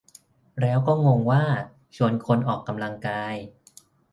แล้วก็งงว่า "ชวนคนออกกำลังกาย"